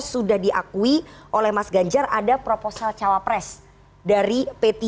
sudah diakui oleh mas ganjar ada proposal cawapres dari p tiga